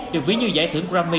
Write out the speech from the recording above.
được ví như giải thưởng grammy